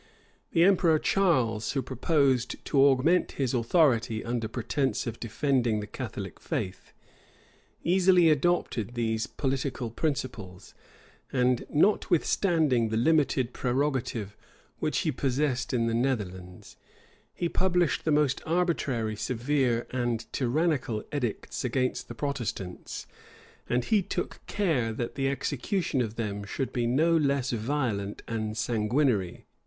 The emperor Charles, who proposed to augment his authority under pretence of defending the Catholic faith, easily adopted these political principles; and notwithstanding the limited prerogative which he possessed in the Netherlands, he published the most arbitrary, severe, and tyrannical edicts against the Protestants; and he took care that the execution of them should be no less violent and sanguinary.